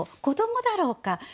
子どもだろうか？